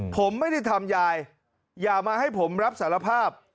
ผมไม่ได้ทำยายอย่ามาให้ผมรับสารภาพ